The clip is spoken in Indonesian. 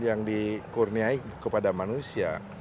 yang dikurniai kepada manusia